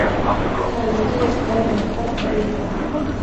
Ta’limga e’tibor: rag‘bat va e’tirof